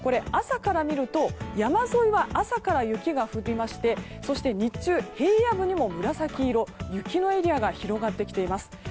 朝から見ると山沿いは朝から雪が降りましてそして日中、平野部にも紫色雪のエリアが広がってきています。